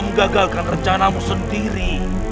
menggagalkan rencanamu sendiri